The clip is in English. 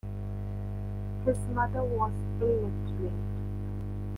His mother was illiterate.